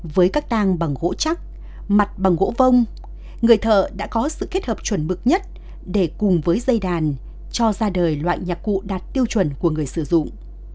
với các tang bằng gỗ chắc mặt bằng gỗ người thợ đã có sự kết hợp chuẩn mực nhất để cùng với dây đàn cho ra đời loại nhạc cụ đạt tiêu chuẩn của người sử dụng